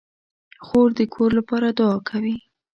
خور د کور لپاره دعا کوي.